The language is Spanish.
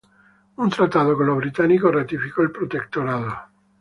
Un tratado con los británicos ratificó el protectorado.